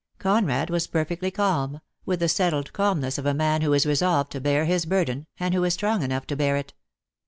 Conrad was perfectly calm, with the settled calmness of a man who is resolved to bear his burden, and who is strong enough to bear it.